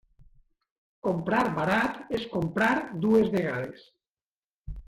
Comprar barat és comprar dues vegades.